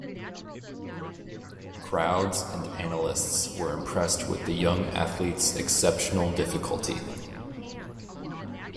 Crowds and analysts were impressed with the young athlete's exceptional difficulty.